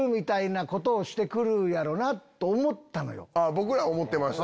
僕ら思ってました。